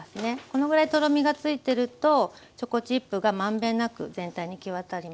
このぐらいとろみがついてるとチョコチップが満遍なく全体に行き渡りますね。